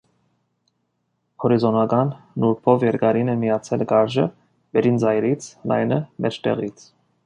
Հորիզոնական նուրբով երկարին են միացել կարճը՝ վերին ծայրից, լայնը՝ մեջտեղից։